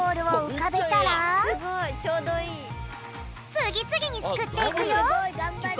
つぎつぎにすくっていくよ！